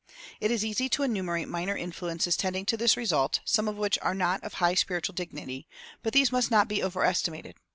It is easy to enumerate minor influences tending to this result, some of which are not of high spiritual dignity; but these must not be overestimated.